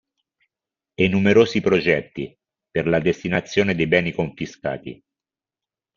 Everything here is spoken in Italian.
E numerosi progetti per la destinazione dei beni confiscati.